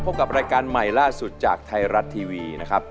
พบกับรายการใหม่ล่าสุดจากไทยรัฐทีวีนะครับ